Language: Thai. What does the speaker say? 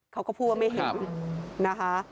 เขาก็พูดว่าไม่เห็น